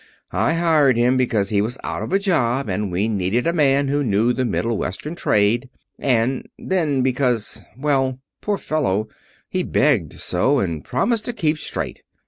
I hired him because he was out of a job and we needed a man who knew the Middle Western trade, and then because well, poor fellow, he begged so and promised to keep straight.